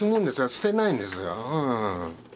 捨てないんですよ。